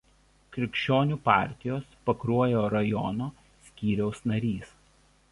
Krikščionių partijos Pakruojo rajono skyriaus narys.